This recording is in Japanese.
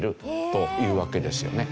というわけですよね。